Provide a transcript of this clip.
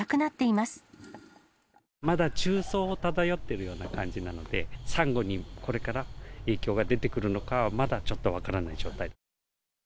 まだ中層を漂っているような感じなので、さんごにこれから影響が出てくるのかは、まだちょっと分からない